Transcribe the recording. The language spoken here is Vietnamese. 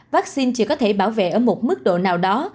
vaccine chỉ có thể bảo vệ ở một mức độ nào đó